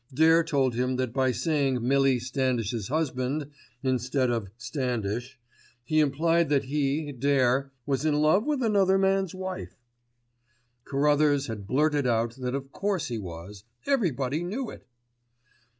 Dare told him that by saying Millie Standish's husband, instead of Standish, he implied that he, Dare, was in love with another man's wife. Carruthers had blurted out that of course he was, everybody knew it.